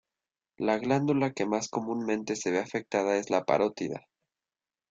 La glándula que más comúnmente se ve afectada es la parótida.